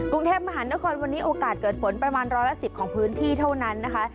กรุงเทพมหานครวันนี้โอกาสเกิดฝนประมาณร้อยละ๑๐ของพื้นที่เท่านั้นนะคะ